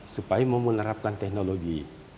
supaya memenerapkan teknologi